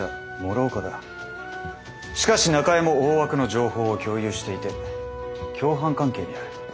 しかし中江も大枠の情報を共有していて共犯関係にある。